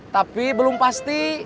tapi belum pasti